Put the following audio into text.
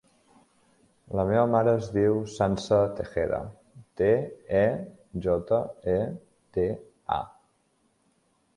La meva mare es diu Sança Tejeda: te, e, jota, e, de, a.